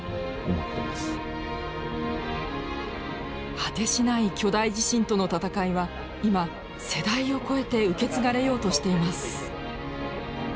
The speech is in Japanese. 果てしない巨大地震との闘いは今世代を超えて受け継がれようとしています。